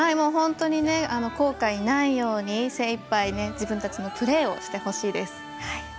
本当に後悔ないように精いっぱい自分たちのプレーをしてほしいです。